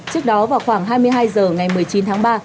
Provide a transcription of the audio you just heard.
trước đó vào khoảng hai mươi hai h ngày một mươi chín tháng ba